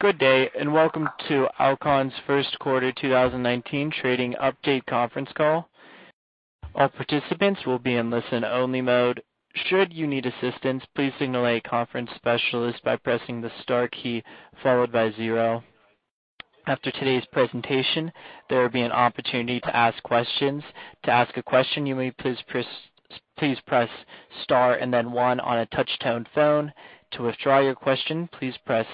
Good day. Welcome to Alcon's first quarter 2019 trading update conference call. All participants will be in listen-only mode. Should you need assistance, please signal a conference specialist by pressing the star key followed by zero. After today's presentation, there will be an opportunity to ask questions. To ask a question, you may please press star and then one on a touch-tone phone. To withdraw your question, please press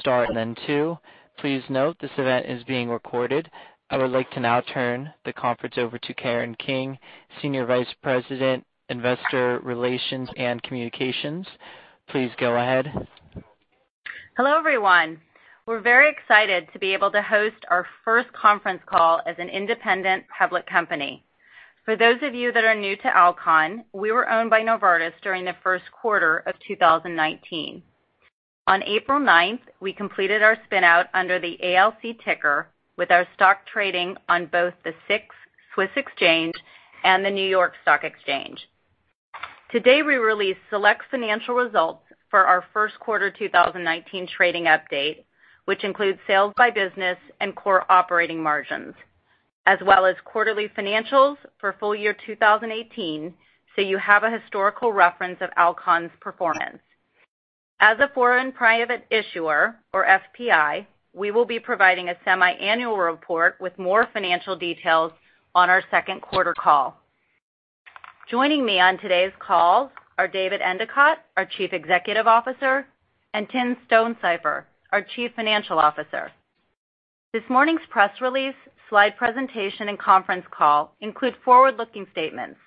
star and then two. Please note this event is being recorded. I would like to now turn the conference over to Karen King, Senior Vice President, Investor Relations and Communications. Please go ahead. Hello, everyone. We're very excited to be able to host our first conference call as an independent public company. For those of you that are new to Alcon, we were owned by Novartis during the first quarter of 2019. On April 9th, we completed our spin-out under the ALC ticker with our stock trading on both the SIX Swiss Exchange and the New York Stock Exchange. Today, we release select financial results for our first quarter 2019 trading update, which includes sales by business and core operating margins, as well as quarterly financials for full year 2018. You have a historical reference of Alcon's performance. As a foreign private issuer, or FPI, we will be providing a semiannual report with more financial details on our second quarter call. Joining me on today's call are David Endicott, our Chief Executive Officer, and Tim Stonesifer, our Chief Financial Officer. This morning's press release, slide presentation, and conference call include forward-looking statements.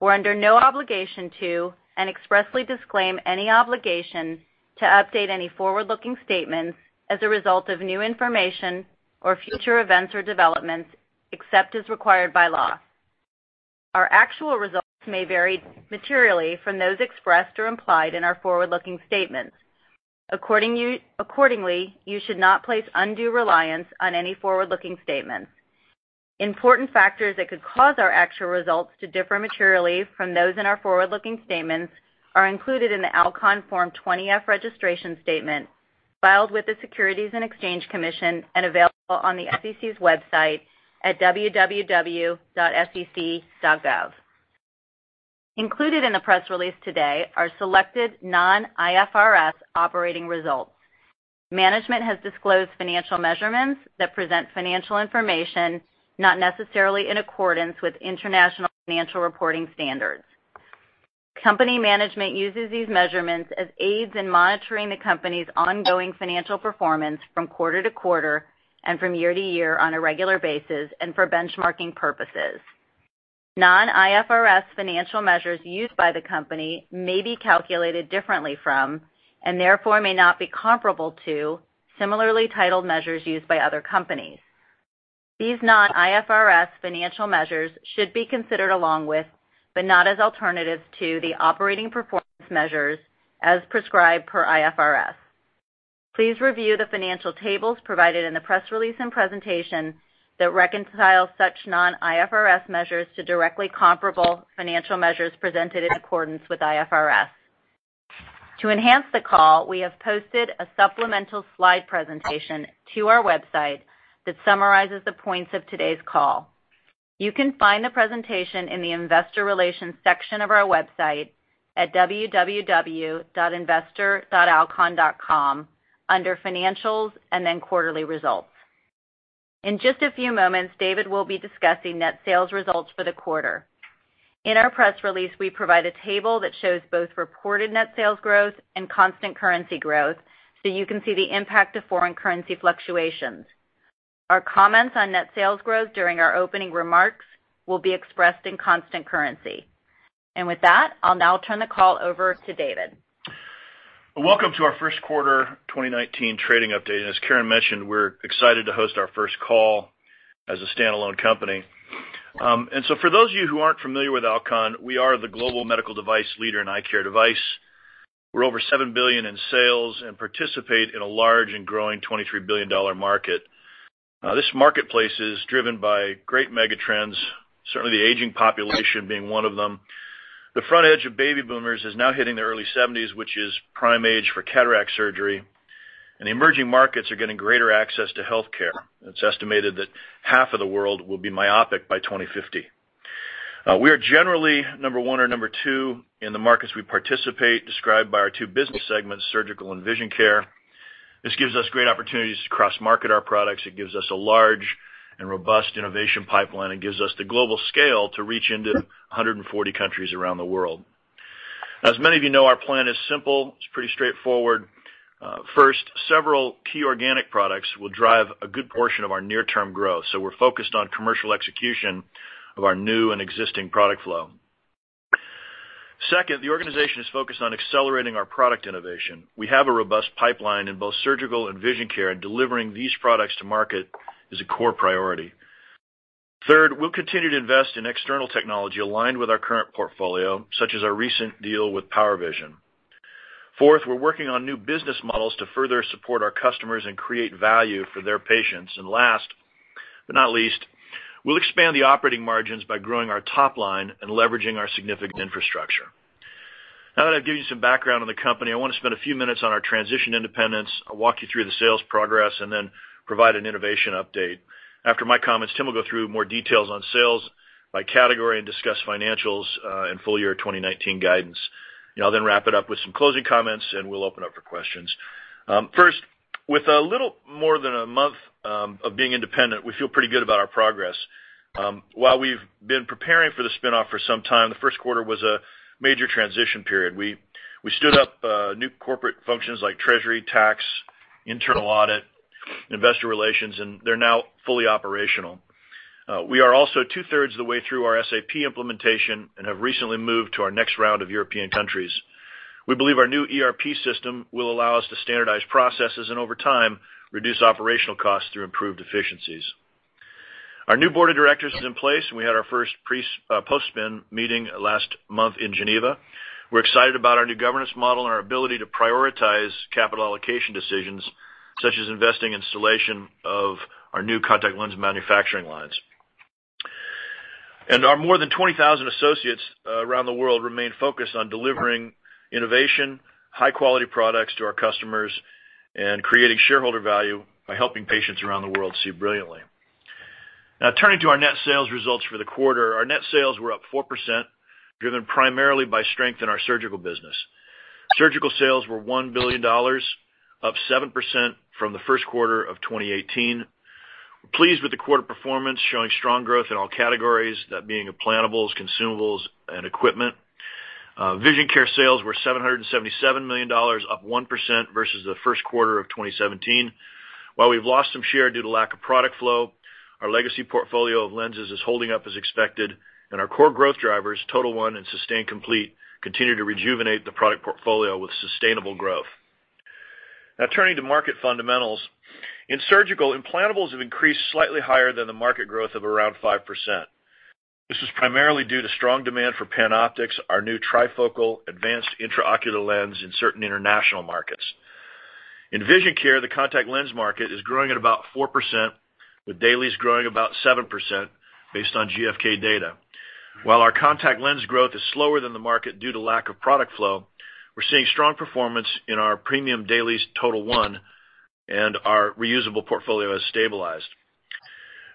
We're under no obligation to and expressly disclaim any obligation to update any forward-looking statements as a result of new information or future events or developments, except as required by law. Our actual results may vary materially from those expressed or implied in our forward-looking statements. Accordingly, you should not place undue reliance on any forward-looking statements. Important factors that could cause our actual results to differ materially from those in our forward-looking statements are included in the Alcon Form 20-F registration statement filed with the Securities and Exchange Commission and available on the SEC's website at www.sec.gov. Included in the press release today are selected non-IFRS operating results. Management has disclosed financial measurements that present financial information not necessarily in accordance with International Financial Reporting Standards. Company management uses these measurements as aids in monitoring the company's ongoing financial performance from quarter to quarter and from year to year on a regular basis and for benchmarking purposes. Non-IFRS financial measures used by the company may be calculated differently from, and therefore may not be comparable to, similarly titled measures used by other companies. These non-IFRS financial measures should be considered along with, but not as alternatives to, the operating performance measures as prescribed per IFRS. Please review the financial tables provided in the press release and presentation that reconcile such non-IFRS measures to directly comparable financial measures presented in accordance with IFRS. To enhance the call, we have posted a supplemental slide presentation to our website that summarizes the points of today's call. You can find the presentation in the investor relations section of our website at www.investor.alcon.com under Financials and then Quarterly Results. In just a few moments, David will be discussing net sales results for the quarter. In our press release, we provide a table that shows both reported net sales growth and constant currency growth so you can see the impact of foreign currency fluctuations. Our comments on net sales growth during our opening remarks will be expressed in constant currency. With that, I'll now turn the call over to David. Welcome to our first quarter 2019 trading update. As Karen mentioned, we're excited to host our first call as a standalone company. So for those of you who aren't familiar with Alcon, we are the global medical device leader in eye care device. We're over $7 billion in sales and participate in a large and growing $23 billion market. This marketplace is driven by great megatrends, certainly the aging population being one of them. The front edge of baby boomers is now hitting their early 70s, which is prime age for cataract surgery, and emerging markets are getting greater access to healthcare. It's estimated that half of the world will be myopic by 2050. We are generally number one or number two in the markets we participate, described by our two business segments, Surgical and Vision Care. This gives us great opportunities to cross-market our products. It gives us a large and robust innovation pipeline. It gives us the global scale to reach into 140 countries around the world. As many of you know, our plan is simple. It's pretty straightforward. First, several key organic products will drive a good portion of our near-term growth, so we're focused on commercial execution of our new and existing product flow. Second, the organization is focused on accelerating our product innovation. We have a robust pipeline in both Surgical and Vision Care, and delivering these products to market is a core priority. Third, we'll continue to invest in external technology aligned with our current portfolio, such as our recent deal with PowerVision. Fourth, we're working on new business models to further support our customers and create value for their patients. Last but not least, we'll expand the operating margins by growing our top line and leveraging our significant infrastructure. Now that I've given you some background on the company, I want to spend a few minutes on our transition to independence. I'll walk you through the sales progress, and then provide an innovation update. After my comments, Tim will go through more details on sales by category and discuss financials and full year 2019 guidance. I'll then wrap it up with some closing comments, and we'll open up for questions. First, with a little more than a month of being independent, we feel pretty good about our progress. While we've been preparing for the spin-off for some time, the first quarter was a major transition period. We stood up new corporate functions like treasury, tax, internal audit, investor relations, and they're now fully operational. We are also two-thirds of the way through our SAP implementation and have recently moved to our next round of European countries. We believe our new ERP system will allow us to standardize processes, and over time, reduce operational costs through improved efficiencies. Our new board of directors is in place, and we had our first post-spin meeting last month in Geneva. We're excited about our new governance model and our ability to prioritize capital allocation decisions, such as investing installation of our new contact lens manufacturing lines. Our more than 20,000 associates around the world remain focused on delivering innovation, high-quality products to our customers, and creating shareholder value by helping patients around the world see brilliantly. Now turning to our net sales results for the quarter. Our net sales were up 4%, driven primarily by strength in our surgical business. Surgical sales were $1 billion, up 7% from the first quarter of 2018. We're pleased with the quarter performance, showing strong growth in all categories, that being implantables, consumables, and equipment. Vision care sales were $777 million, up 1% versus the first quarter of 2017. While we've lost some share due to lack of product flow, our legacy portfolio of lenses is holding up as expected, and our core growth drivers, TOTAL1 and SYSTANE COMPLETE, continue to rejuvenate the product portfolio with sustainable growth. Now turning to market fundamentals. In surgical, implantables have increased slightly higher than the market growth of around 5%. This is primarily due to strong demand for PanOptix, our new trifocal advanced intraocular lens in certain international markets. In vision care, the contact lens market is growing at about 4%, with dailies growing about 7% based on GfK data. While our contact lens growth is slower than the market due to lack of product flow, we're seeing strong performance in our premium dailies TOTAL1, and our reusable portfolio has stabilized.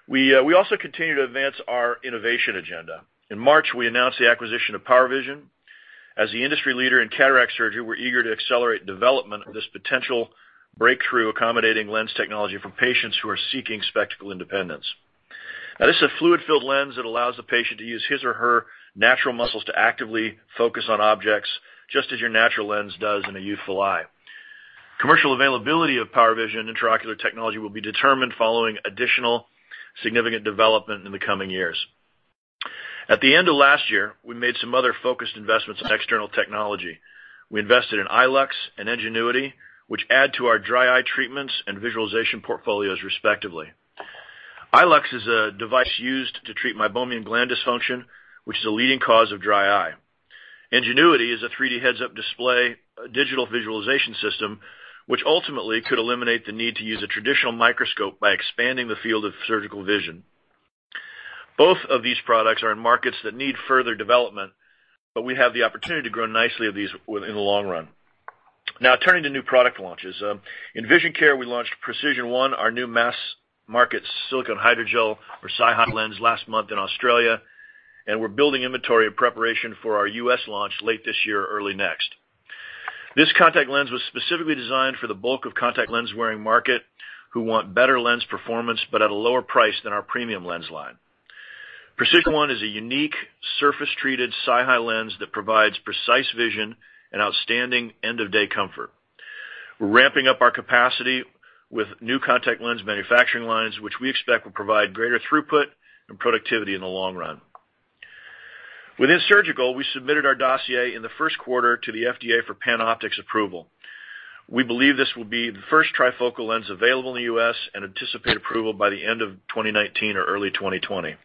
We also continue to advance our innovation agenda. In March, we announced the acquisition of PowerVision. As the industry leader in cataract surgery, we're eager to accelerate development of this potential breakthrough accommodating lens technology for patients who are seeking spectacle independence. Now, this is a fluid-filled lens that allows the patient to use his or her natural muscles to actively focus on objects, just as your natural lens does in a youthful eye. Commercial availability of PowerVision intraocular technology will be determined following additional significant development in the coming years. At the end of last year, we made some other focused investments in external technology. We invested in iLux and NGENUITY, which add to our dry eye treatments and visualization portfolios, respectively. iLux is a device used to treat meibomian gland dysfunction, which is a leading cause of dry eye. NGENUITY is a 3D heads-up display, a digital visualization system, which ultimately could eliminate the need to use a traditional microscope by expanding the field of surgical vision. Both of these products are in markets that need further development, but we have the opportunity to grow nicely with these in the long run. Now turning to new product launches. In vision care, we launched PRECISION1, our new mass-market silicone hydrogel or SiHy lens last month in Australia, and we're building inventory in preparation for our U.S. launch late this year or early next. This contact lens was specifically designed for the bulk of contact lens-wearing market who want better lens performance but at a lower price than our premium lens line. PRECISION1 is a unique surface-treated SiHy lens that provides precise vision and outstanding end-of-day comfort. We're ramping up our capacity with new contact lens manufacturing lines, which we expect will provide greater throughput and productivity in the long run. Within surgical, we submitted our dossier in the first quarter to the FDA for PanOptix approval. We believe this will be the first trifocal lens available in the U.S. and anticipate approval by the end of 2019 or early 2020.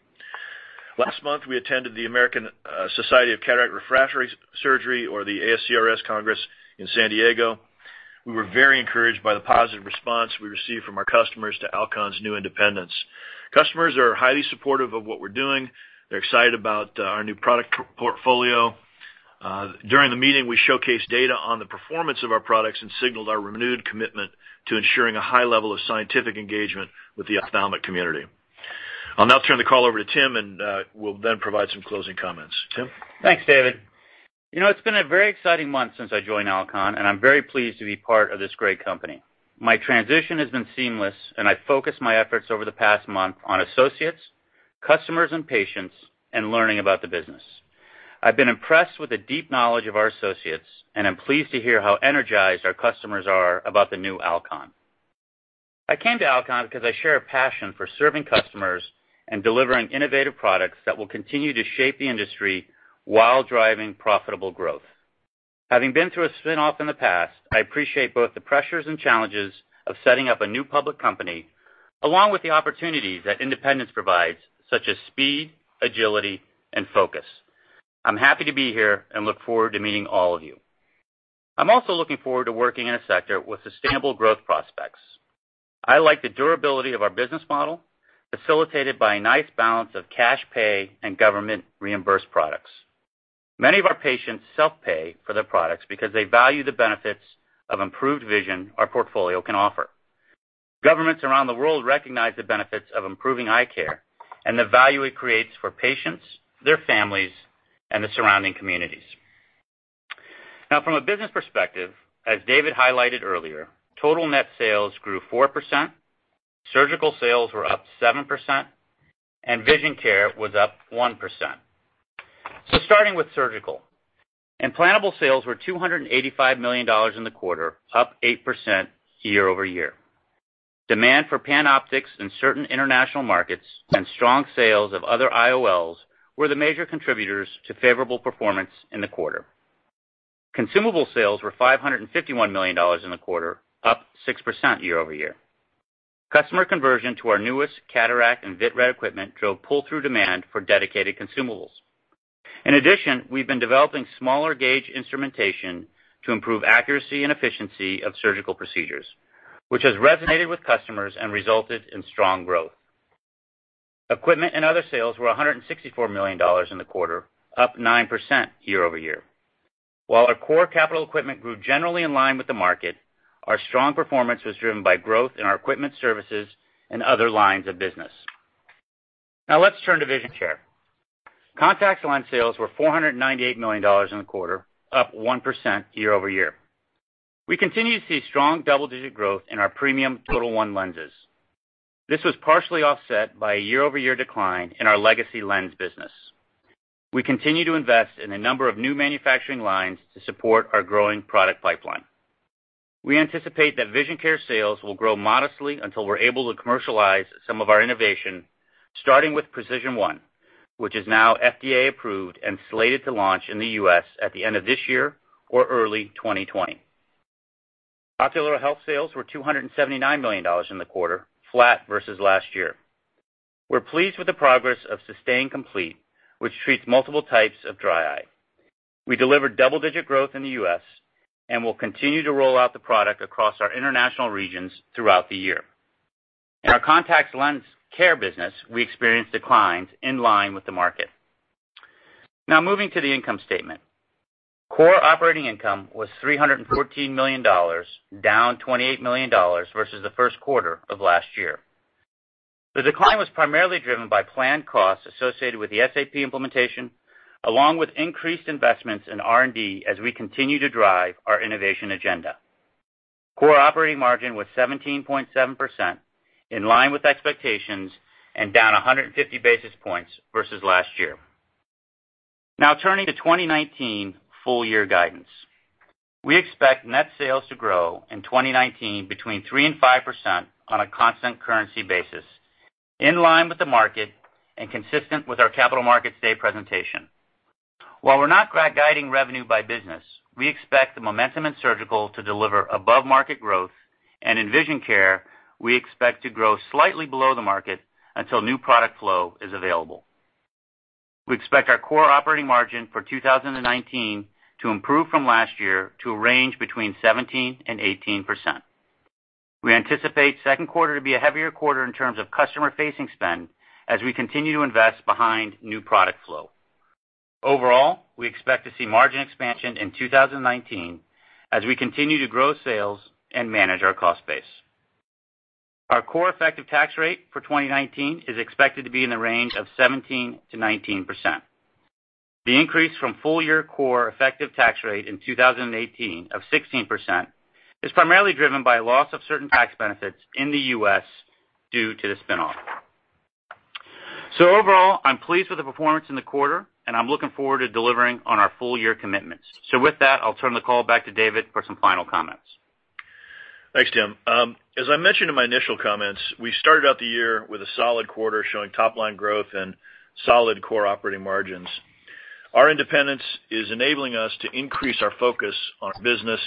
Last month, we attended the American Society of Cataract and Refractive Surgery, or the ASCRS Congress in San Diego. We were very encouraged by the positive response we received from our customers to Alcon's new independence. Customers are highly supportive of what we're doing. They're excited about our new product portfolio. During the meeting, we showcased data on the performance of our products and signaled our renewed commitment to ensuring a high level of scientific engagement with the ophthalmic community. I'll now turn the call over to Tim, and we'll then provide some closing comments. Tim? Thanks, David. It's been a very exciting month since I joined Alcon, and I'm very pleased to be part of this great company. My transition has been seamless, and I focused my efforts over the past month on associates, customers, and patients, and learning about the business. I've been impressed with the deep knowledge of our associates, and I'm pleased to hear how energized our customers are about the new Alcon. I came to Alcon because I share a passion for serving customers and delivering innovative products that will continue to shape the industry while driving profitable growth. Having been through a spin-off in the past, I appreciate both the pressures and challenges of setting up a new public company, along with the opportunities that independence provides, such as speed, agility, and focus. I'm happy to be here and look forward to meeting all of you. I'm also looking forward to working in a sector with sustainable growth prospects. I like the durability of our business model, facilitated by a nice balance of cash pay and government reimbursed products. Many of our patients self-pay for their products because they value the benefits of improved vision our portfolio can offer. Governments around the world recognize the benefits of improving eye care and the value it creates for patients, their families, and the surrounding communities. From a business perspective, as David highlighted earlier, total net sales grew 4%, surgical sales were up 7%, and vision care was up 1%. Starting with surgical. Implantable sales were $285 million in the quarter, up 8% year-over-year. Demand for PanOptix in certain international markets and strong sales of other IOLs were the major contributors to favorable performance in the quarter. Consumable sales were $551 million in the quarter, up 6% year-over-year. Customer conversion to our newest cataract and vitreoretinal equipment drove pull-through demand for dedicated consumables. In addition, we've been developing smaller gauge instrumentation to improve accuracy and efficiency of surgical procedures, which has resonated with customers and resulted in strong growth. Equipment and other sales were $164 million in the quarter, up 9% year-over-year. While our core capital equipment grew generally in line with the market, our strong performance was driven by growth in our equipment services and other lines of business. Let's turn to vision care. Contacts line sales were $498 million in the quarter, up 1% year-over-year. We continue to see strong double-digit growth in our premium TOTAL1 lenses. This was partially offset by a year-over-year decline in our legacy lens business. We continue to invest in a number of new manufacturing lines to support our growing product pipeline. We anticipate that vision care sales will grow modestly until we're able to commercialize some of our innovation, starting with PRECISION1, which is now FDA approved and slated to launch in the U.S. at the end of this year or early 2020. Ocular health sales were $279 million in the quarter, flat versus last year. We're pleased with the progress of SYSTANE COMPLETE, which treats multiple types of dry eye. We delivered double-digit growth in the U.S. and will continue to roll out the product across our international regions throughout the year. In our contacts lens care business, we experienced declines in line with the market. Moving to the income statement. Core operating income was $314 million, down $28 million versus the first quarter of last year. The decline was primarily driven by planned costs associated with the SAP implementation, along with increased investments in R&D as we continue to drive our innovation agenda. Core operating margin was 17.7%, in line with expectations and down 150 basis points versus last year. Turning to 2019 full year guidance. We expect net sales to grow in 2019 between 3%-5% on a constant currency basis, in line with the market and consistent with our Capital Markets Day presentation. While we're not guiding revenue by business, we expect the momentum in surgical to deliver above-market growth, and in vision care, we expect to grow slightly below the market until new product flow is available. We expect our core operating margin for 2019 to improve from last year to a range between 17%-18%. We anticipate second quarter to be a heavier quarter in terms of customer-facing spend as we continue to invest behind new product flow. Overall, we expect to see margin expansion in 2019 as we continue to grow sales and manage our cost base. Our core effective tax rate for 2019 is expected to be in the range of 17%-19%. The increase from full-year core effective tax rate in 2018 of 16% is primarily driven by loss of certain tax benefits in the U.S. due to the spin-off. Overall, I'm pleased with the performance in the quarter, and I'm looking forward to delivering on our full-year commitments. With that, I'll turn the call back to David for some final comments. Thanks, Tim. As I mentioned in my initial comments, we started out the year with a solid quarter showing top-line growth and solid core operating margins. Our independence is enabling us to increase our focus on business,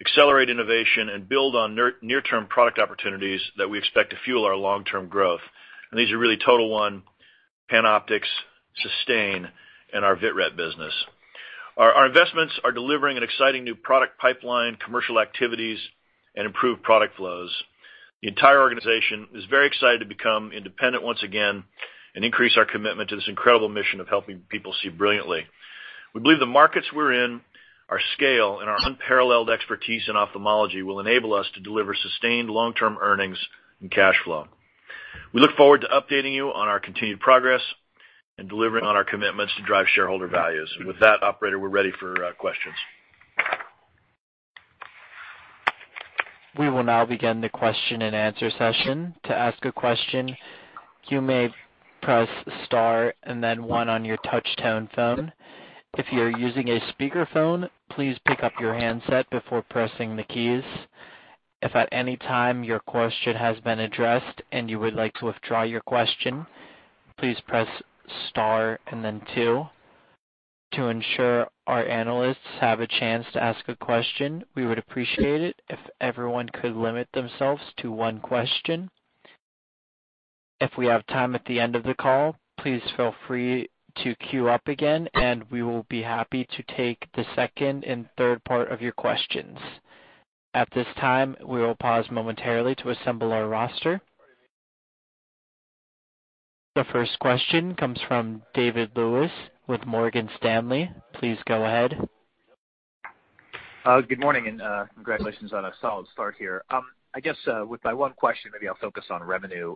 accelerate innovation, and build on near-term product opportunities that we expect to fuel our long-term growth. These are really TOTAL1, PanOptix, SYSTANE, and our vitreoretinal business. Our investments are delivering an exciting new product pipeline, commercial activities, and improved product flows. The entire organization is very excited to become independent once again and increase our commitment to this incredible mission of helping people see brilliantly. We believe the markets we're in, our scale, and our unparalleled expertise in ophthalmology will enable us to deliver sustained long-term earnings and cash flow. We look forward to updating you on our continued progress and delivering on our commitments to drive shareholder values. With that, operator, we're ready for questions. We will now begin the question and answer session. To ask a question, you may press star and then one on your touch tone phone. If you're using a speakerphone, please pick up your handset before pressing the keys. If at any time your question has been addressed and you would like to withdraw your question, please press star and then two. To ensure our analysts have a chance to ask a question, we would appreciate it if everyone could limit themselves to one question. If we have time at the end of the call, please feel free to queue up again, and we will be happy to take the second and third part of your questions. At this time, we will pause momentarily to assemble our roster. The first question comes from David Lewis with Morgan Stanley. Please go ahead. Good morning. Congratulations on a solid start here. I guess, with my one question, maybe I'll focus on revenue.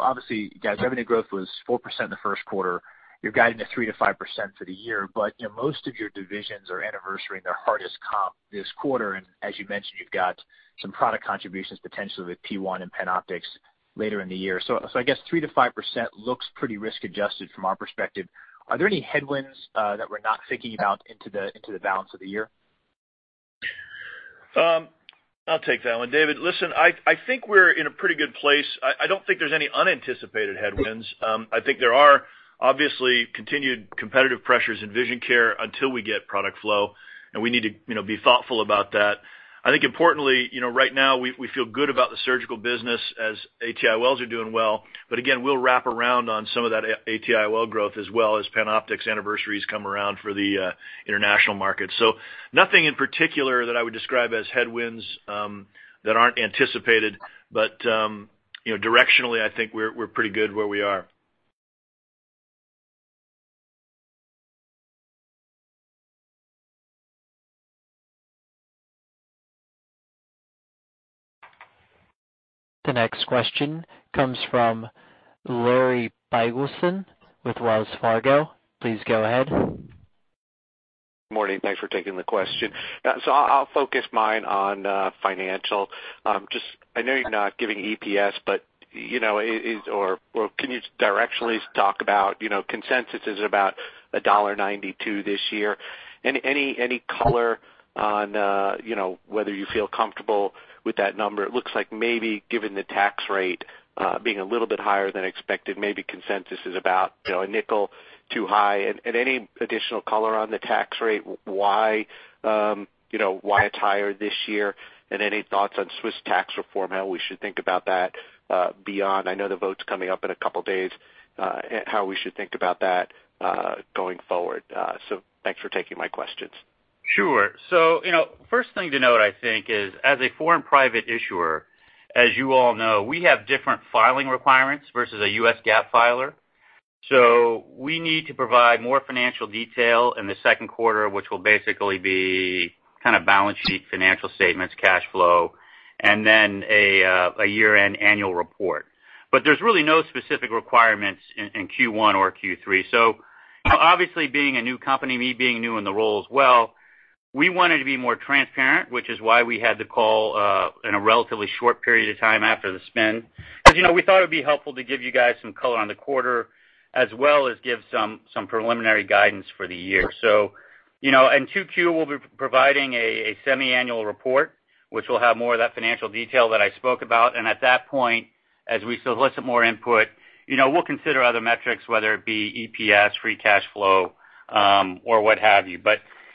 Obviously, guys, revenue growth was 4% in the first quarter. You're guiding to 3%-5% for the year, but most of your divisions are anniversarying their hardest comp this quarter, and as you mentioned, you've got some product contributions potentially with PRECISION1 and PanOptix later in the year. I guess 3%-5% looks pretty risk-adjusted from our perspective. Are there any headwinds that we're not thinking about into the balance of the year? I'll take that one. David, listen, I think we're in a pretty good place. I don't think there's any unanticipated headwinds. I think there are obviously continued competitive pressures in Vision Care until we get product flow, and we need to be thoughtful about that. I think importantly, right now, we feel good about the surgical business as AT-IOLs are doing well. But again, we'll wrap around on some of that AT-IOL growth as well as PanOptix anniversaries come around for the international market. Nothing in particular that I would describe as headwinds that aren't anticipated, but directionally, I think we're pretty good where we are. The next question comes from Larry Biegelsen with Wells Fargo. Please go ahead. Morning. Thanks for taking the question. I'll focus mine on financial. I know you're not giving EPS, but can you directionally talk about consensus is about $1.92 this year. Any color on whether you feel comfortable with that number? It looks like maybe given the tax rate being a little bit higher than expected, maybe consensus is about $0.05 too high. Any additional color on the tax rate, why it's higher this year, and any thoughts on Swiss tax reform, how we should think about that beyond, I know the vote's coming up in a couple of days, how we should think about that going forward? Thanks for taking my questions. Sure. First thing to note, I think is, as a foreign private issuer, as you all know, we have different filing requirements versus a U.S. GAAP filer. We need to provide more financial detail in the second quarter, which will basically be kind of balance sheet financial statements, cash flow, and then a year-end annual report. There's really no specific requirements in Q1 or Q3. Obviously, being a new company, me being new in the role as well, we wanted to be more transparent, which is why we had the call in a relatively short period of time after the spin. We thought it would be helpful to give you guys some color on the quarter, as well as give some preliminary guidance for the year. In 2Q, we'll be providing a semi-annual report, which will have more of that financial detail that I spoke about, and at that point, as we solicit more input, we'll consider other metrics, whether it be EPS, free cash flow, or what have you.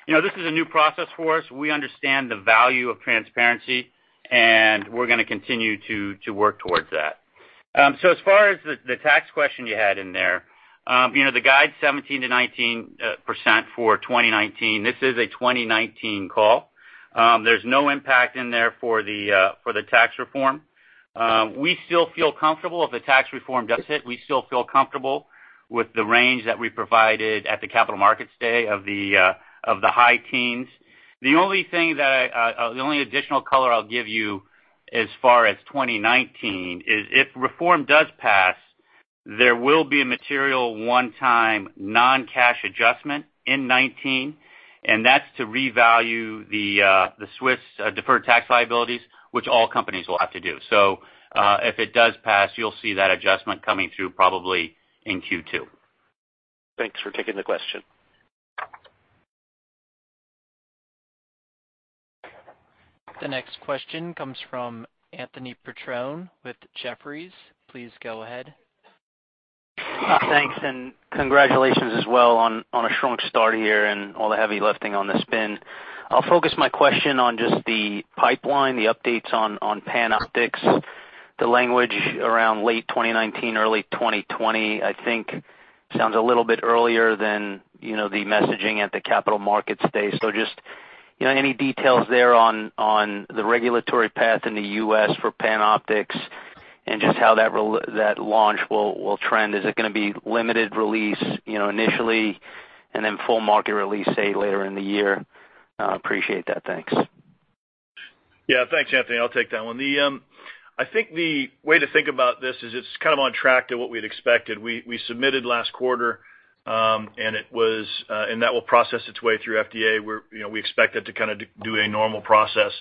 This is a new process for us. We understand the value of transparency, and we're going to continue to work towards that. As far as the tax question you had in there, the guide 17%-19% for 2019, this is a 2019 call. There's no impact in there for the tax reform. If the tax reform does hit, we still feel comfortable with the range that we provided at the Capital Markets Day of the high teens. The only additional color I'll give you as far as 2019 is if reform does pass, there will be a material one-time non-cash adjustment in 2019, and that's to revalue the Swiss deferred tax liabilities, which all companies will have to do. If it does pass, you'll see that adjustment coming through probably in Q2. Thanks for taking the question. The next question comes from Anthony Petrone with Jefferies. Please go ahead. Thanks, and congratulations as well on a strong start here and all the heavy lifting on the spin. I'll focus my question on just the pipeline, the updates on PanOptix. The language around late 2019, early 2020, I think sounds a little bit earlier than the messaging at the Capital Markets Day. Just any details there on the regulatory path in the U.S. for PanOptix and just how that launch will trend. Is it going to be limited release initially and then full market release, say, later in the year? Appreciate that. Thanks. Yeah. Thanks, Anthony. I'll take that one. I think the way to think about this is it's kind of on track to what we'd expected. We submitted last quarter, and that will process its way through FDA. We expect it to kind of do a normal process.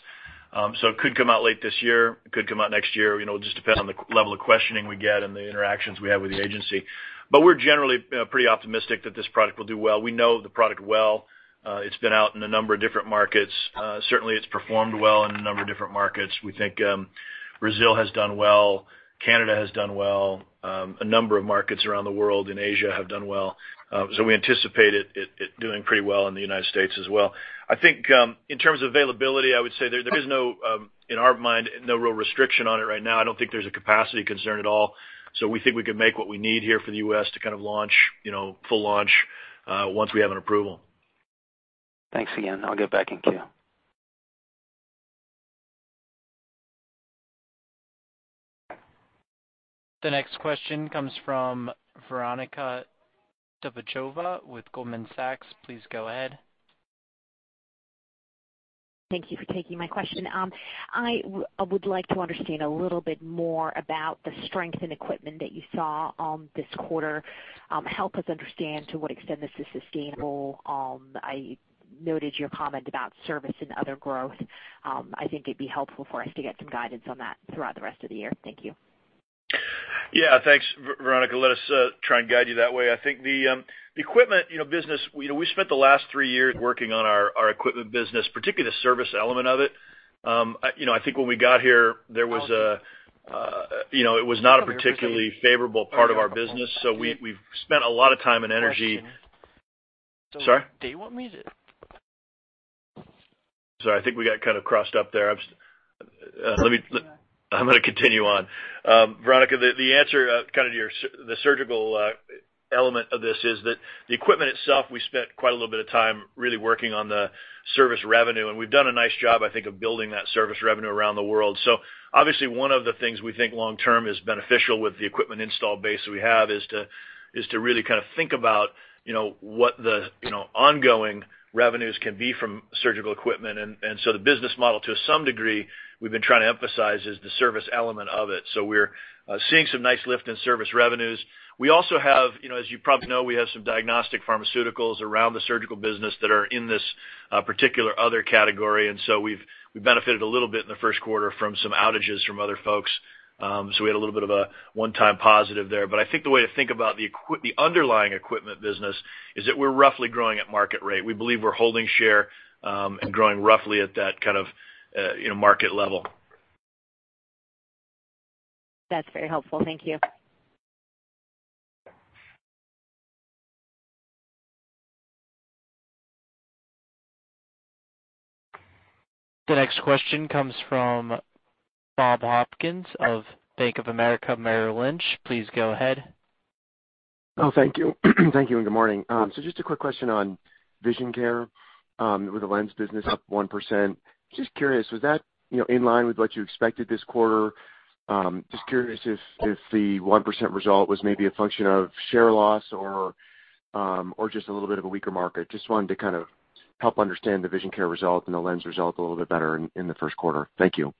It could come out late this year, it could come out next year, just depends on the level of questioning we get and the interactions we have with the agency. We're generally pretty optimistic that this product will do well. We know the product well. It's been out in a number of different markets. Certainly, it's performed well in a number of different markets. We think Brazil has done well, Canada has done well. A number of markets around the world, in Asia have done well. We anticipate it doing pretty well in the United States as well. I think in terms of availability, I would say there is no, in our mind, no real restriction on it right now. I don't think there's a capacity concern at all. We think we can make what we need here for the U.S. to kind of launch, full launch, once we have an approval. Thanks again. I'll get back in queue. The next question comes from Veronika Dubajova with Goldman Sachs. Please go ahead. Thank you for taking my question. I would like to understand a little bit more about the strength in equipment that you saw this quarter. Help us understand to what extent this is sustainable. I noted your comment about service and other growth. I think it'd be helpful for us to get some guidance on that throughout the rest of the year. Thank you. Yeah. Thanks, Veronika. Let us try and guide you that way. I think the equipment business, we spent the last three years working on our equipment business, particularly the service element of it. I think when we got here, it was not a particularly favorable part of our business. We've spent a lot of time and energy. Sorry? Do you want me to- Sorry, I think we got kind of crossed up there. I'm going to continue on. Veronika, the answer kind of to your surgical element of this is that the equipment itself, we spent quite a little bit of time really working on the service revenue, and we've done a nice job, I think, of building that service revenue around the world. Obviously, one of the things we think long term is beneficial with the equipment install base we have is to really kind of think about what the ongoing revenues can be from surgical equipment. The business model, to some degree, we've been trying to emphasize, is the service element of it. We're seeing some nice lift in service revenues. We also have, as you probably know, we have some diagnostic pharmaceuticals around the surgical business that are in this particular other category, we've benefited a little bit in the first quarter from some outages from other folks. We had a little bit of a one-time positive there. I think the way to think about the underlying equipment business is that we're roughly growing at market rate. We believe we're holding share, and growing roughly at that kind of market level. That's very helpful. Thank you. The next question comes from Bob Hopkins of Bank of America Merrill Lynch. Please go ahead. Oh, thank you. Thank you, and good morning. Just a quick question on vision care, with the lens business up 1%. Just curious, was that in line with what you expected this quarter? Just curious if the 1% result was maybe a function of share loss or just a little bit of a weaker market. Just wanted to kind of help understand the vision care result and the lens result a little bit better in the first quarter. Thank you.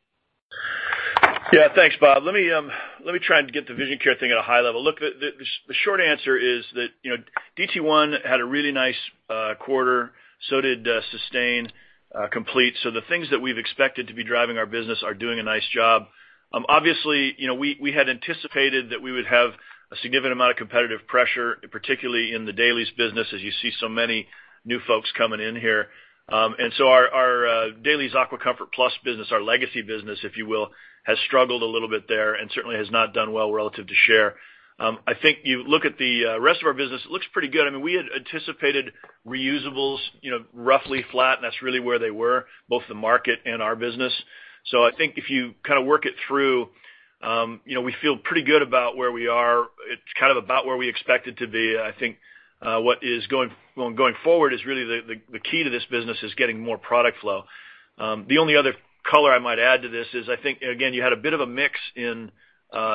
Yeah. Thanks, Bob. Let me try and get the vision care thing at a high level. Look, the short answer is that DT1 had a really nice quarter, so did SYSTANE COMPLETE. The things that we've expected to be driving our business are doing a nice job. Obviously, we had anticipated that we would have a significant amount of competitive pressure, particularly in the dailies business, as you see so many new folks coming in here. Our DAILIES AquaComfort Plus business, our legacy business, if you will, has struggled a little bit there and certainly has not done well relative to share. I think you look at the rest of our business, it looks pretty good. We had anticipated reusables roughly flat, and that's really where they were, both the market and our business. I think if you kind of work it through, we feel pretty good about where we are. It's kind of about where we expected to be. I think what is going forward is really the key to this business is getting more product flow. The only other color I might add to this is I think, again, you had a bit of a mix in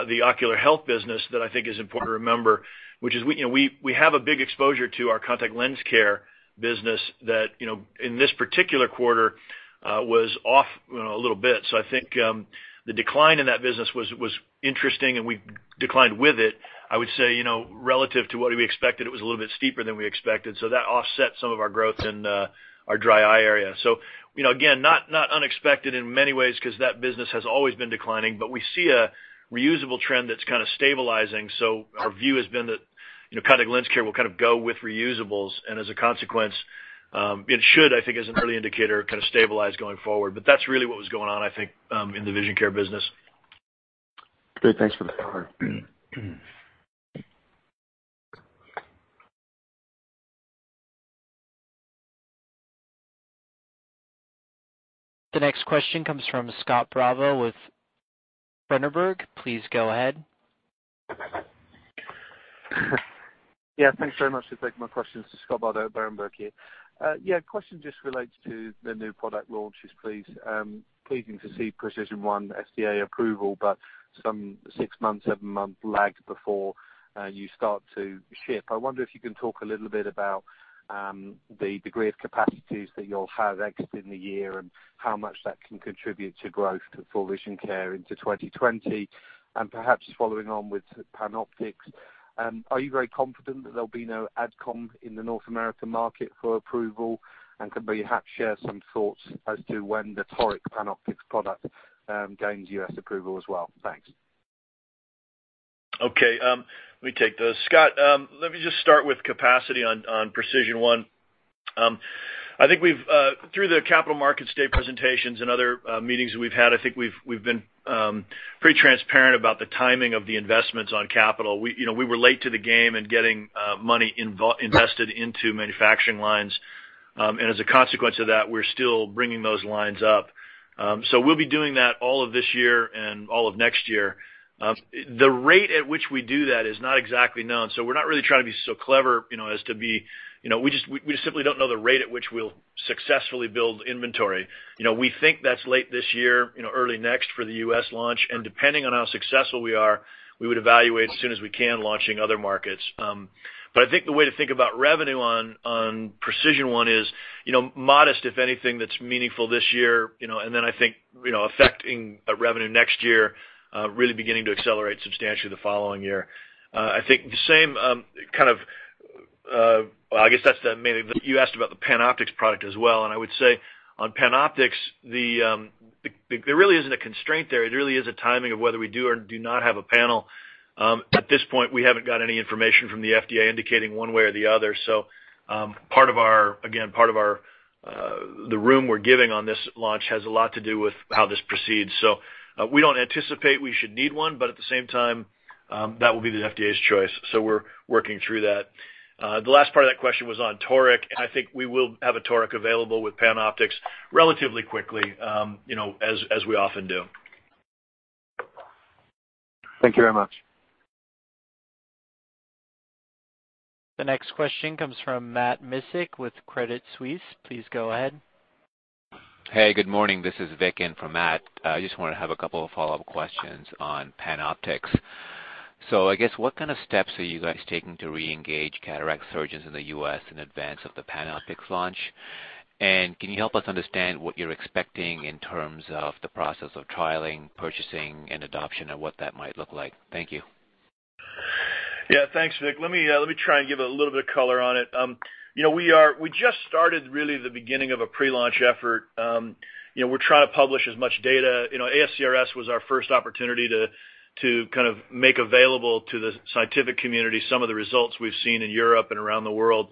the ocular health business that I think is important to remember, which is we have a big exposure to our contact lens care business that, in this particular quarter, was off a little bit. I think the decline in that business was interesting, and we declined with it. I would say, relative to what we expected, it was a little bit steeper than we expected. That offset some of our growth in our dry eye area. Again, not unexpected in many ways because that business has always been declining, but we see a reusable trend that's kind of stabilizing. Our view has been that contact lens care will kind of go with reusables, and as a consequence, it should, I think as an early indicator, kind of stabilize going forward. That's really what was going on, I think, in the vision care business. Great. Thanks for the color. The next question comes from Scott Bardo with Berenberg. Please go ahead. Thanks very much for taking my questions. This is Scott Bardo, Berenberg here. Question just relates to the new product launches, please. Pleasing to see Precision1 FDA approval, but some six months, seven months lag before you start to ship. I wonder if you can talk a little bit about the degree of capacities that you'll have exiting the year and how much that can contribute to growth to full vision care into 2020. Perhaps following on with PanOptix, are you very confident that there'll be no ad com in the North American market for approval? Could perhaps share some thoughts as to when the Toric PanOptix product gains U.S. approval as well? Thanks. Okay. Let me take those. Scott, let me just start with capacity on Precision1. I think through the Capital Markets Day presentations and other meetings we've had, I think we've been pretty transparent about the timing of the investments on capital. We were late to the game in getting money invested into manufacturing lines. As a consequence of that, we're still bringing those lines up. We'll be doing that all of this year and all of next year. The rate at which we do that is not exactly known. We're not really trying to be so clever. We just simply don't know the rate at which we'll successfully build inventory. We think that's late this year, early next for the U.S. launch, and depending on how successful we are, we would evaluate as soon as we can, launching other markets. I think the way to think about revenue on PRECISION1 is modest, if anything that's meaningful this year, and then I think, affecting revenue next year, really beginning to accelerate substantially the following year. You asked about the PanOptix product as well, and I would say on PanOptix, there really isn't a constraint there. It really is a timing of whether we do or do not have a panel. At this point, we haven't got any information from the FDA indicating one way or the other. Again, part of the room we're giving on this launch has a lot to do with how this proceeds. We don't anticipate we should need one, but at the same time, that will be the FDA's choice. We're working through that. The last part of that question was on Toric, I think we will have a Toric available with PanOptix relatively quickly, as we often do. Thank you very much. The next question comes from Matt Miksic with Credit Suisse. Please go ahead. Good morning. This is Vik in for Matt. I just want to have a couple of follow-up questions on PanOptix. I guess, what kind of steps are you guys taking to reengage cataract surgeons in the U.S. in advance of the PanOptix launch? Can you help us understand what you're expecting in terms of the process of trialing, purchasing, and adoption, and what that might look like? Thank you. Yeah, thanks, Vik. Let me try and give a little bit of color on it. We just started really the beginning of a pre-launch effort. We're trying to publish as much data. ASCRS was our first opportunity to kind of make available to the scientific community some of the results we've seen in Europe and around the world.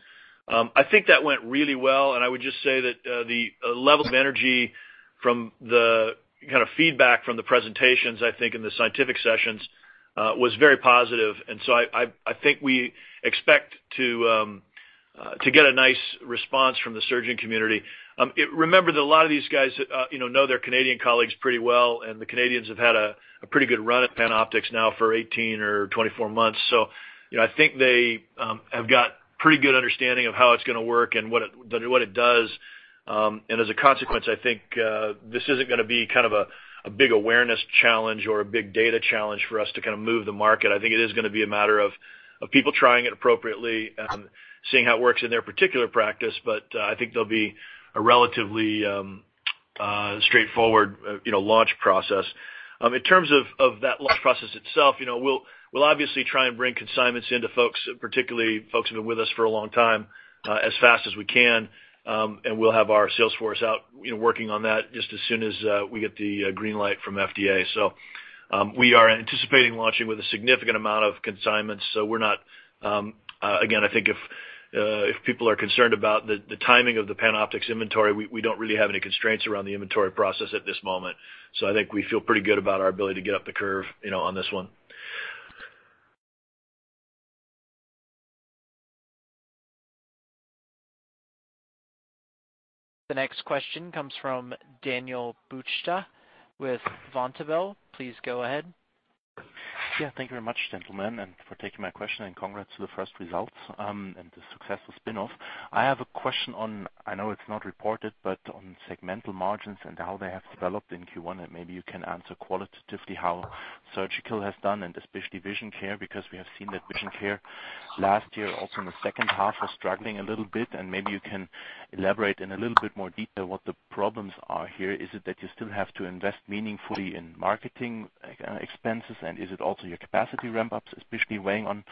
I think that went really well, and I would just say that the level of energy from the kind of feedback from the presentations, I think in the scientific sessions, was very positive. I think we expect to get a nice response from the surgeon community. Remember that a lot of these guys know their Canadian colleagues pretty well, and the Canadians have had a pretty good run at PanOptix now for 18 or 24 months. I think they have got pretty good understanding of how it's going to work and what it does. As a consequence, I think this isn't going to be kind of a big awareness challenge or a big data challenge for us to kind of move the market. I think it is going to be a matter of people trying it appropriately, seeing how it works in their particular practice. I think there'll be a relatively straightforward launch process. In terms of that launch process itself, we'll obviously try and bring consignments into folks, particularly folks who've been with us for a long time, as fast as we can. We'll have our sales force out working on that just as soon as we get the green light from FDA. We are anticipating launching with a significant amount of consignments. Again, I think if people are concerned about the timing of the PanOptix inventory, we don't really have any constraints around the inventory process at this moment. I think we feel pretty good about our ability to get up the curve on this one. The next question comes from Daniel Buchta with Vontobel. Please go ahead. Yeah. Thank you very much, gentlemen, for taking my question, and congrats to the first results, and the successful spin-off. I have a question on, I know it's not reported, but on segmental margins and how they have developed in Q1. Maybe you can answer qualitatively how surgical has done, especially vision care, because we have seen that vision care last year, also in the second half, was struggling a little bit, and maybe you can elaborate in a little bit more detail what the problems are here. Is it that you still have to invest meaningfully in marketing expenses? Is it also your capacity ramp-ups especially weighing on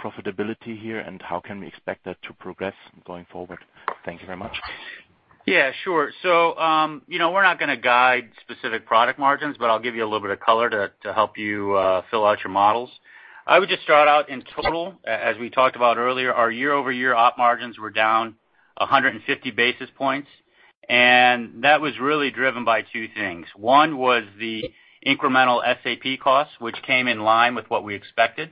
profitability here, and how can we expect that to progress going forward? Thank you very much. Yeah, sure. We're not going to guide specific product margins, but I'll give you a little bit of color to help you fill out your models. I would just start out in total, as we talked about earlier, our year-over-year op margins were down 150 basis points, that was really driven by two things. One was the incremental SAP cost, which came in line with what we expected.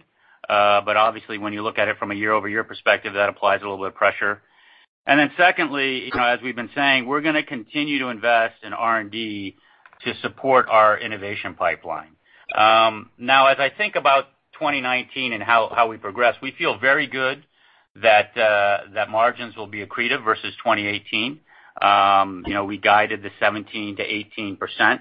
Obviously when you look at it from a year-over-year perspective, that applies a little bit of pressure. Secondly, as we've been saying, we're going to continue to invest in R&D to support our innovation pipeline. Now, as I think about 2019 and how we progress, we feel very good that margins will be accretive versus 2018. We guided the 17%-18%.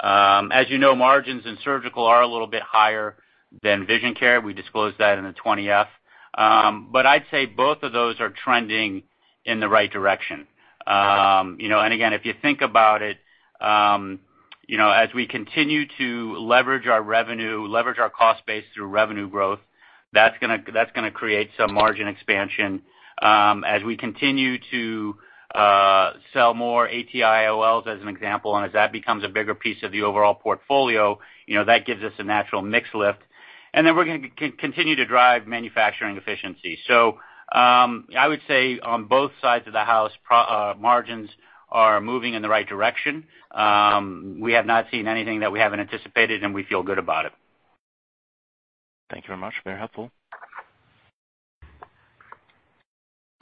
As you know, margins in surgical are a little bit higher than vision care. We disclosed that in the 20-F. I'd say both of those are trending in the right direction. Again, if you think about it, as we continue to leverage our cost base through revenue growth, that's going to create some margin expansion. As we continue to sell more AT-IOLs as an example. As that becomes a bigger piece of the overall portfolio, that gives us a natural mix lift. Then we're going to continue to drive manufacturing efficiency. I would say on both sides of the house, margins are moving in the right direction. We have not seen anything that we haven't anticipated, and we feel good about it. Thank you very much. Very helpful.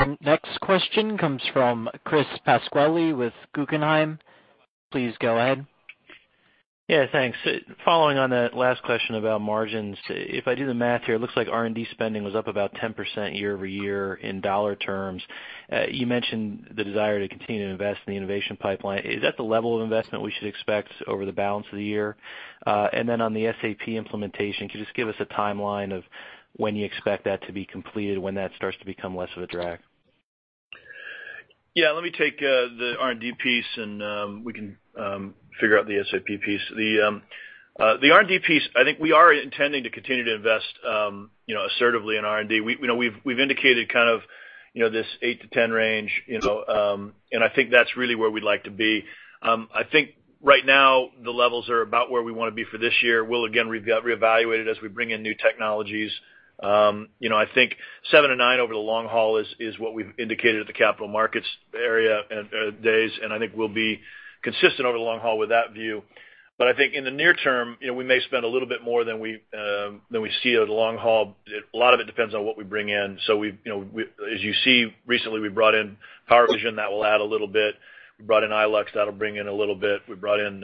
The next question comes from Chris Pasquale with Guggenheim. Please go ahead. Yeah, thanks. Following on that last question about margins, if I do the math here, it looks like R&D spending was up about 10% year-over-year in dollar terms. You mentioned the desire to continue to invest in the innovation pipeline. Is that the level of investment we should expect over the balance of the year? Then on the SAP implementation, could you just give us a timeline of when you expect that to be completed, when that starts to become less of a drag? Yeah, let me take the R&D piece, and we can figure out the SAP piece. The R&D piece, I think we are intending to continue to invest assertively in R&D. We've indicated kind of this eight-10 range, and I think that's really where we'd like to be. I think right now the levels are about where we want to be for this year. We'll again reevaluate it as we bring in new technologies. I think seven-nine over the long haul is what we've indicated at the Capital Markets area days, and I think we'll be consistent over the long haul with that view. I think in the near term, we may spend a little bit more than we see over the long haul. A lot of it depends on what we bring in. As you see, recently we brought in PowerVision. That will add a little bit. We brought in iLux, that'll bring in a little bit. We brought in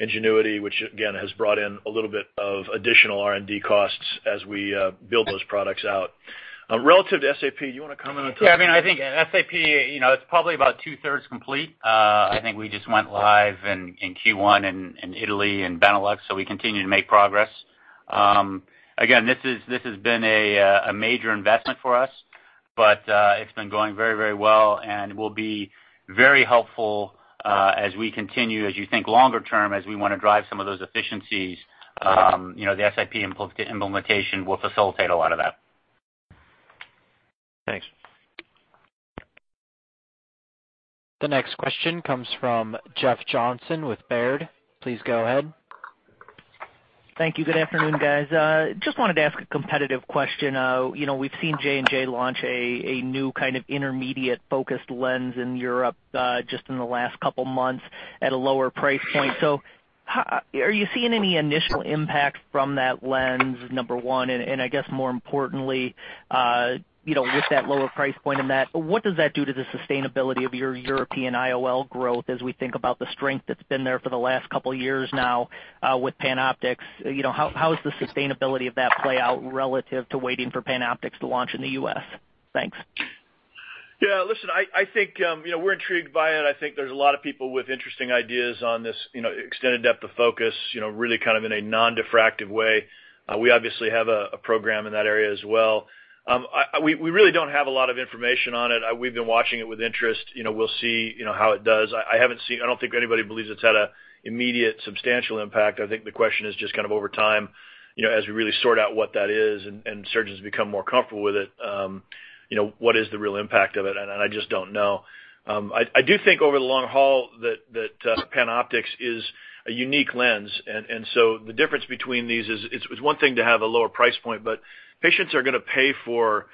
NGENUITY, which again has brought in a little bit of additional R&D costs as we build those products out. Relative to SAP, you want to comment on- Yeah, I mean, I think SAP, it's probably about two-thirds complete. I think we just went live in Q1 in Italy and Benelux. We continue to make progress. Again, this has been a major investment for us, it's been going very well and will be very helpful as we continue, as you think longer term, as we want to drive some of those efficiencies, the SAP implementation will facilitate a lot of that. Thanks. The next question comes from Jeff Johnson with Baird. Please go ahead. Thank you. Good afternoon, guys. Just wanted to ask a competitive question. We've seen J&J launch a new kind of intermediate-focused lens in Europe just in the last couple of months at a lower price point. Are you seeing any initial impact from that lens, number one, and I guess more importantly, with that lower price point in that, what does that do to the sustainability of your European IOL growth as we think about the strength that's been there for the last couple of years now with PanOptix? How is the sustainability of that play out relative to waiting for PanOptix to launch in the U.S.? Thanks. Yeah, listen, I think we're intrigued by it. I think there's a lot of people with interesting ideas on this extended depth of focus, really kind of in a non-diffractive way. We obviously have a program in that area as well. We really don't have a lot of information on it. We've been watching it with interest. We'll see how it does. I don't think anybody believes it's had an immediate substantial impact. I think the question is just kind of over time, as we really sort out what that is and surgeons become more comfortable with it, what is the real impact of it, and I just don't know. I do think over the long haul that PanOptix is a unique lens. The difference between these is, it's one thing to have a lower price point, but patients are going to pay for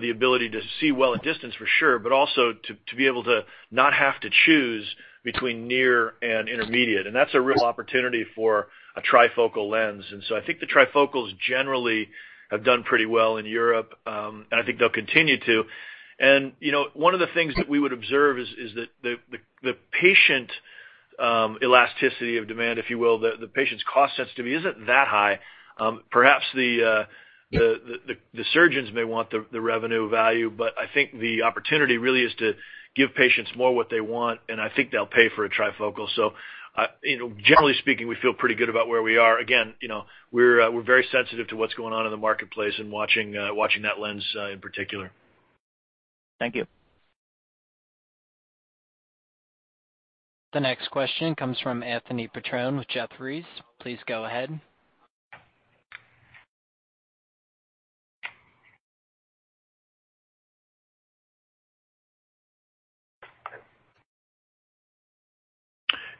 the ability to see well at distance for sure, but also to be able to not have to choose between near and intermediate. That's a real opportunity for a trifocal lens. I think the trifocals generally have done pretty well in Europe, and I think they'll continue to. One of the things that we would observe is that the patient elasticity of demand, if you will, the patient's cost sensitivity isn't that high. Perhaps the surgeons may want the revenue value, but I think the opportunity really is to give patients more what they want, and I think they'll pay for a trifocal. Generally speaking, we feel pretty good about where we are. Again, we're very sensitive to what's going on in the marketplace and watching that lens in particular. Thank you. The next question comes from Anthony Petrone with Jefferies. Please go ahead.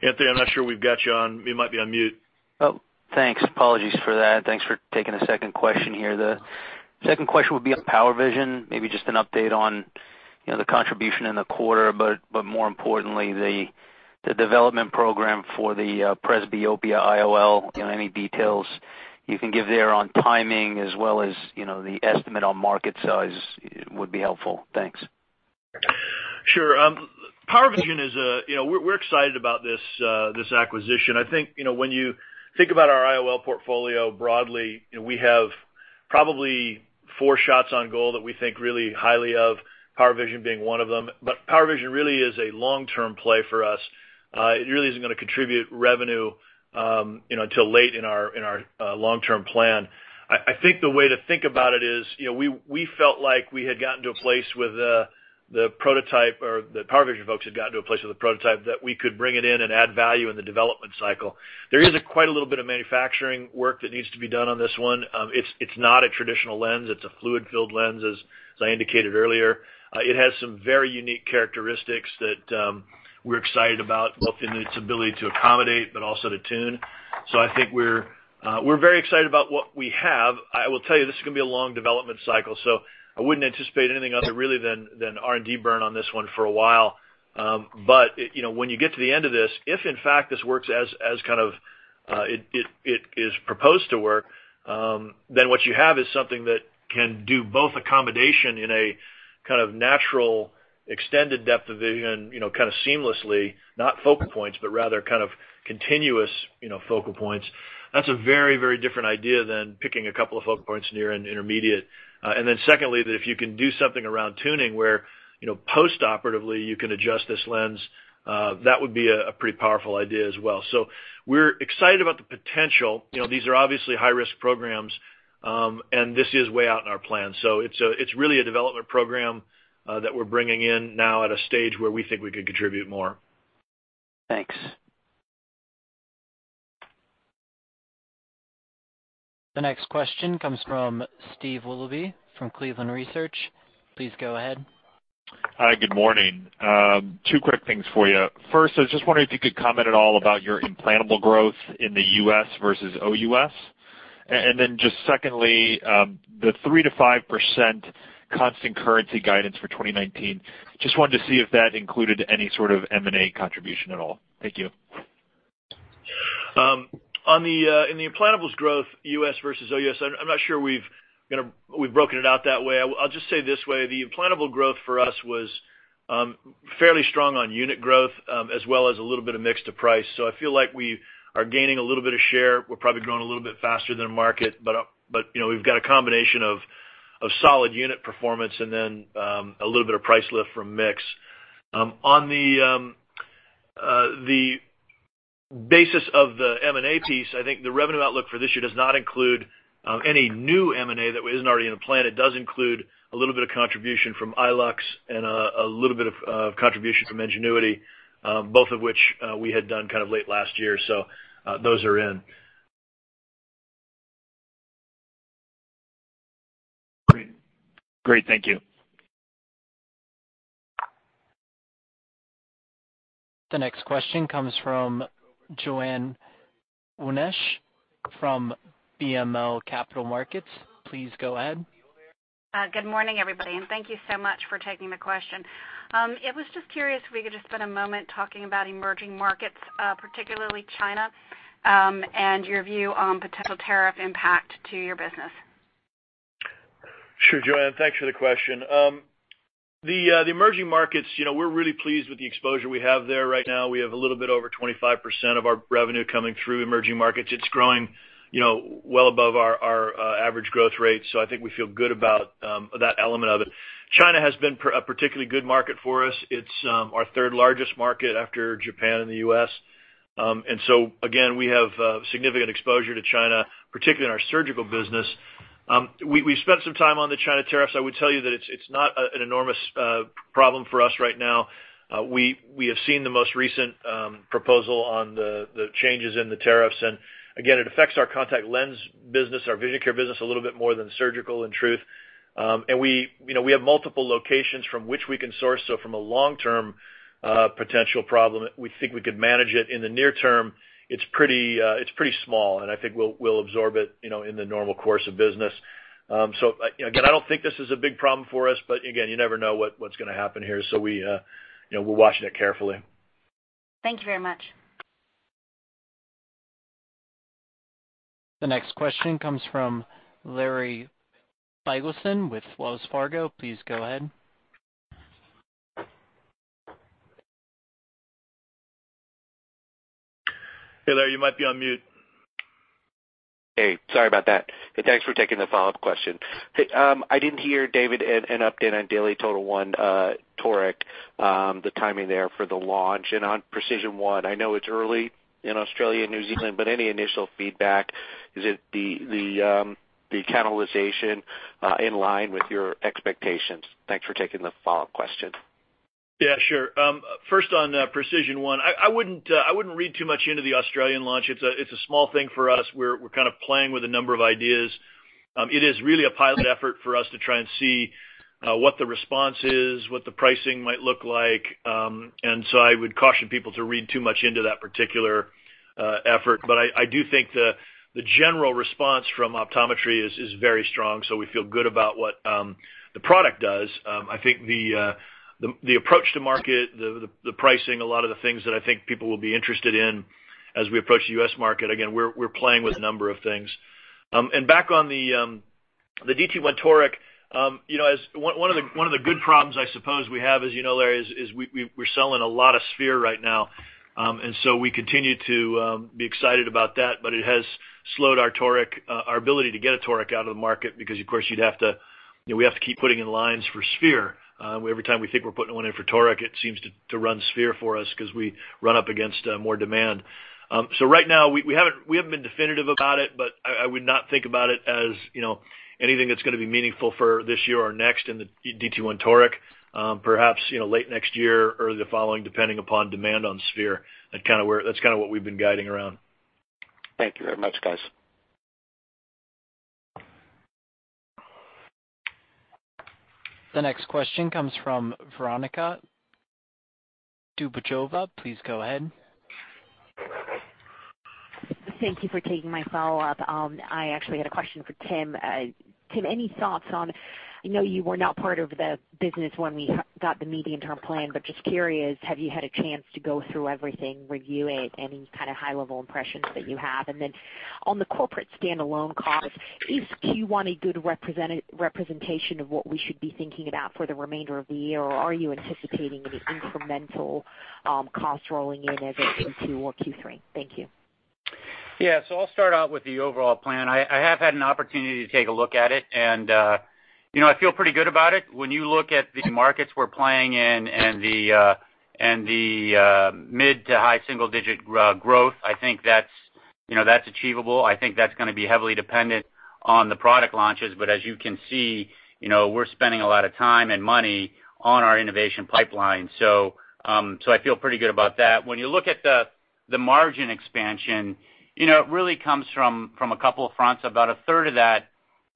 Anthony, I'm not sure we've got you on. You might be on mute. Oh, thanks. Apologies for that. Thanks for taking a second question here, though. Second question would be on PowerVision, maybe just an update on the contribution in the quarter, but more importantly, the development program for the presbyopia IOL. Any details you can give there on timing as well as the estimate on market size would be helpful. Thanks. Sure. PowerVision, we're excited about this acquisition. I think when you think about our IOL portfolio broadly, we have probably four shots on goal that we think really highly of, PowerVision being one of them. PowerVision really is a long-term play for us. It really isn't going to contribute revenue until late in our long-term plan. I think the way to think about it is, we felt like we had gotten to a place with the prototype, or the PowerVision folks had gotten to a place with the prototype that we could bring it in and add value in the development cycle. There is quite a little bit of manufacturing work that needs to be done on this one. It's not a traditional lens. It's a fluid-filled lens, as I indicated earlier. It has some very unique characteristics that we're excited about, both in its ability to accommodate, but also to tune. I think we're very excited about what we have. I will tell you, this is going to be a long development cycle, so I wouldn't anticipate anything other really than R&D burn on this one for a while. When you get to the end of this, if in fact this works as kind of it is proposed to work, then what you have is something that can do both accommodation in a kind of natural extended depth of vision seamlessly, not focal points, rather kind of continuous focal points. That's a very, very different idea than picking a couple of focal points near and intermediate. Secondly, that if you can do something around tuning where post-operatively you can adjust this lens, that would be a pretty powerful idea as well. We're excited about the potential. These are obviously high-risk programs, and this is way out in our plan. It's really a development program that we're bringing in now at a stage where we think we could contribute more. Thanks. The next question comes from Steve Willoughby from Cleveland Research. Please go ahead. Hi, good morning. Two quick things for you. First, I was just wondering if you could comment at all about your implantable growth in the U.S. versus OUS. Secondly, the 3%-5% constant currency guidance for 2019. Just wanted to see if that included any sort of M&A contribution at all. Thank you. In the implantables growth, U.S. versus OUS, I'm not sure we've broken it out that way. I'll just say it this way. The implantable growth for us was fairly strong on unit growth, as well as a little bit of mix to price. I feel like we are gaining a little bit of share. We're probably growing a little bit faster than market, but we've got a combination of solid unit performance and then a little bit of price lift from mix. On the basis of the M&A piece, I think the revenue outlook for this year does not include any new M&A that isn't already in the plan. It does include a little bit of contribution from iLux and a little bit of contribution from NGENUITY, both of which we had done kind of late last year. Those are in. Great. Thank you. The next question comes from Joanne Wuensch from BMO Capital Markets. Please go ahead. Good morning, everybody. Thank you so much for taking the question. I was just curious if we could just spend a moment talking about emerging markets, particularly China, and your view on potential tariff impact to your business. Sure, Joanne. Thanks for the question. The emerging markets, we're really pleased with the exposure we have there right now. We have a little bit over 25% of our revenue coming through emerging markets. It's growing well above our average growth rate. I think we feel good about that element of it. China has been a particularly good market for us. It's our third largest market after Japan and the U.S. Again, we have significant exposure to China, particularly in our surgical business. We spent some time on the China tariffs. I would tell you that it's not an enormous problem for us right now. We have seen the most recent proposal on the changes in the tariffs, again, it affects our contact lens business, our vision care business a little bit more than surgical, in truth. We have multiple locations from which we can source. From a long-term potential problem, we think we could manage it. In the near term, it's pretty small. I think we'll absorb it in the normal course of business. Again, I don't think this is a big problem for us, but again, you never know what's going to happen here. We're watching it carefully. Thank you very much. The next question comes from Larry Biegelsen with Wells Fargo. Please go ahead. Hey, Larry, you might be on mute. Hey, sorry about that. Thanks for taking the follow-up question. Hey, I didn't hear David an update on DAILIES TOTAL1 Toric, the timing there for the launch. On PRECISION1, I know it's early in Australia and New Zealand, but any initial feedback? Is it the cannibalization in line with your expectations? Thanks for taking the follow-up question. Yeah, sure. First on PRECISION1, I wouldn't read too much into the Australian launch. It's a small thing for us. We're kind of playing with a number of ideas. It is really a pilot effort for us to try and see what the response is, what the pricing might look like. So I would caution people to read too much into that particular effort. I do think the general response from optometry is very strong, so we feel good about what the product does. I think the approach to market, the pricing, a lot of the things that I think people will be interested in as we approach the U.S. market, again, we're playing with a number of things. Back on the DT1 Toric, one of the good problems I suppose we have is, Larry, is we're selling a lot of Sphere right now. We continue to be excited about that, but it has slowed our ability to get a Toric out of the market because, of course, we have to keep putting in lines for Sphere. Every time we think we're putting one in for Toric, it seems to run Sphere for us because we run up against more demand. Right now, we haven't been definitive about it, but I would not think about it as anything that's going to be meaningful for this year or next in the DT1 Toric. Perhaps late next year or the following, depending upon demand on Sphere. That's kind of what we've been guiding around. Thank you very much, guys. The next question comes from Veronika Dubajova. Please go ahead. Thank you for taking my follow-up. I actually had a question for Tim. Tim, any thoughts on, I know you were not part of the business when we got the medium-term plan, but just curious, have you had a chance to go through everything, review it? Any kind of high-level impressions that you have? On the corporate standalone costs, is Q1 a good representation of what we should be thinking about for the remainder of the year, or are you anticipating any incremental costs rolling in as it gets to Q3? Thank you. I'll start out with the overall plan. I have had an opportunity to take a look at it, and I feel pretty good about it. When you look at the markets we're playing in and the mid- to high single-digit growth, I think that's achievable. I think that's going to be heavily dependent on the product launches. As you can see, we're spending a lot of time and money on our innovation pipeline. I feel pretty good about that. When you look at the margin expansion, it really comes from a couple of fronts. About a third of that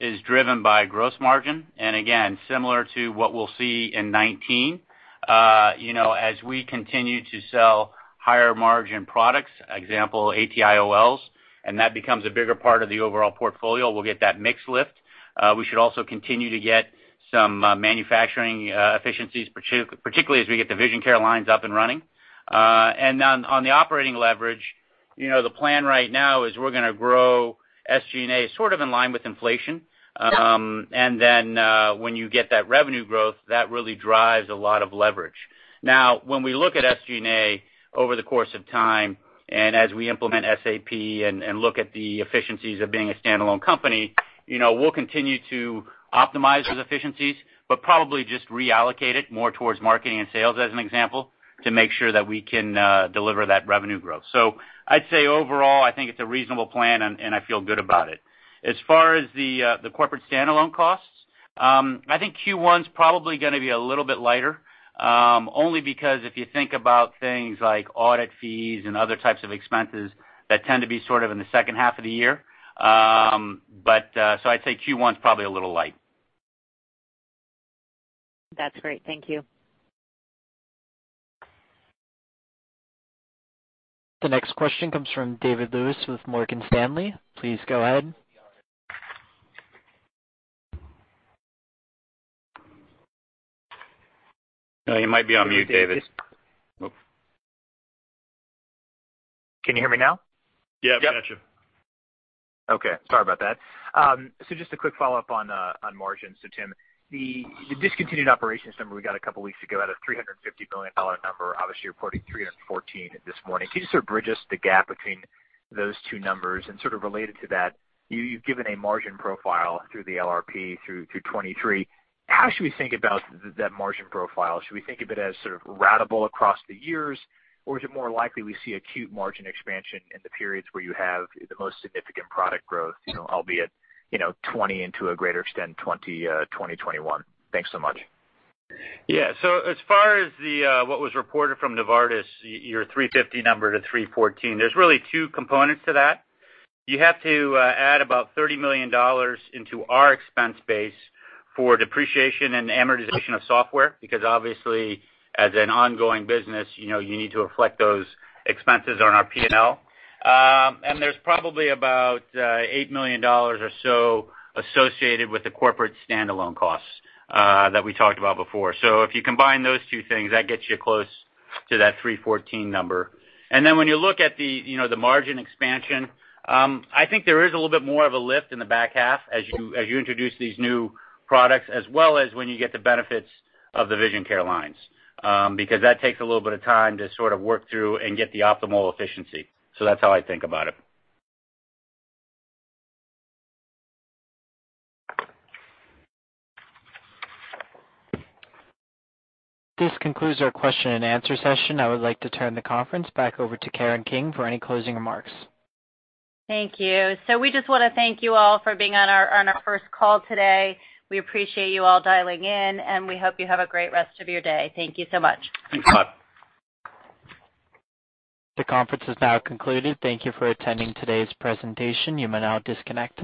is driven by gross margin, and again, similar to what we'll see in 2019. As we continue to sell higher margin products, example, AT-IOLs, and that becomes a bigger part of the overall portfolio, we'll get that mix lift. We should also continue to get some manufacturing efficiencies, particularly as we get the Vision Care lines up and running. On the operating leverage, the plan right now is we're going to grow SG&A sort of in line with inflation. When you get that revenue growth, that really drives a lot of leverage. Now, when we look at SG&A over the course of time, and as we implement SAP and look at the efficiencies of being a standalone company, we'll continue to optimize those efficiencies, but probably just reallocate it more towards marketing and sales, as an example, to make sure that we can deliver that revenue growth. I'd say overall, I think it's a reasonable plan, and I feel good about it. As far as the corporate standalone costs, I think Q1's probably going to be a little bit lighter, only because if you think about things like audit fees and other types of expenses that tend to be sort of in the second half of the year. I'd say Q1's probably a little light. That's great. Thank you. The next question comes from David Lewis with Morgan Stanley. Please go ahead. You might be on mute, David. Can you hear me now? Yeah, got you. Okay. Sorry about that. Just a quick follow-up on margins. Tim, the discontinued operations number we got a couple of weeks ago out of $350 million number, obviously reporting $314 this morning. Can you just sort of bridge us the gap between those two numbers? Sort of related to that, you've given a margin profile through the LRP through 2023. How should we think about that margin profile? Should we think of it as sort of ratable across the years, or is it more likely we see acute margin expansion in the periods where you have the most significant product growth, albeit 2020 into a greater extent, 2021? Thanks so much. Yeah. As far as what was reported from Novartis, your $350 number to $314, there's really two components to that. You have to add about $30 million into our expense base for depreciation and amortization of software, because obviously, as an ongoing business, you need to reflect those expenses on our P&L. There's probably about $8 million or so associated with the corporate standalone costs that we talked about before. If you combine those two things, that gets you close to that $314 number. When you look at the margin expansion, I think there is a little bit more of a lift in the back half as you introduce these new products, as well as when you get the benefits of the Vision Care lines. Because that takes a little bit of time to sort of work through and get the optimal efficiency. That's how I think about it. This concludes our question and answer session. I would like to turn the conference back over to Karen King for any closing remarks. Thank you. We just want to thank you all for being on our first call today. We appreciate you all dialing in, and we hope you have a great rest of your day. Thank you so much. Thanks a lot. The conference is now concluded. Thank you for attending today's presentation. You may now disconnect.